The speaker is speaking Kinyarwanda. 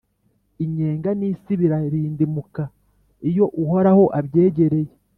inyenga n’isi birarindimuka iyo Uhoraho abyegereye;